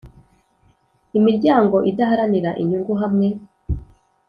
imiryango idaharanira inyungu hamwe